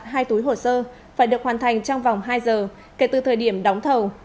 hai túi hồ sơ phải được hoàn thành trong vòng hai giờ kể từ thời điểm đóng thầu